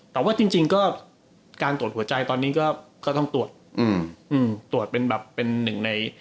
แต่ว่าจริงจริงก็การตรวจสุดใจตอนนี้ก็ก็ต้องตรวจอืมอืมตรวจเป็นแบบเป็นหนึ่งใน